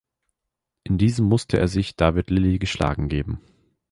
In diesem musste er sich David Lilley geschlagen geben.